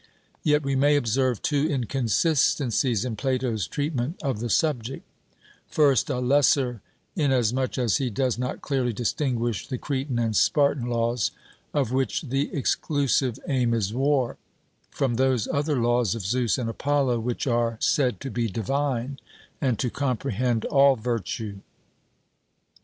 Yet we may observe two inconsistencies in Plato's treatment of the subject: first, a lesser, inasmuch as he does not clearly distinguish the Cretan and Spartan laws, of which the exclusive aim is war, from those other laws of Zeus and Apollo which are said to be divine, and to comprehend all virtue.